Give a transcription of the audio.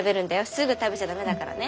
すぐ食べちゃ駄目だからね。